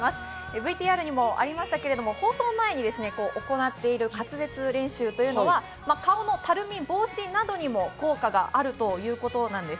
ＶＴＲにもありましたけれど、放送前に行っている滑舌練習というのは顔のたるみ防止などにも効果があるということなんです。